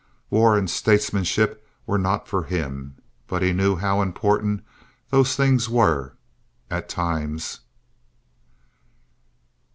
War and statesmanship were not for him; but he knew how important those things were—at times.